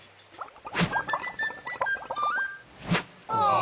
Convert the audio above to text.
・ああ。